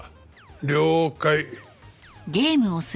了解。